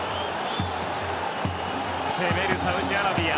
攻めるサウジアラビア。